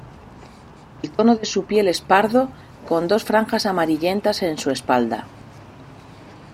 El tono de su piel es pardo con dos franjas amarillentas en su espalda.